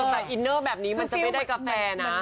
แต่อินเนอร์แบบนี้มันจะไม่ได้กาแฟนะ